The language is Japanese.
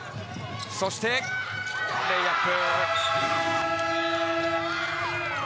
そしてレイアップ！